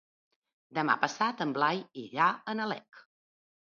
Demà passat en Blai irà a Nalec.